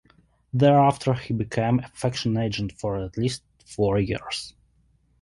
Thereafter he became a Faction agent for at least four years.